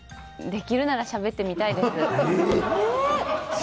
できるならしゃべってみたいです。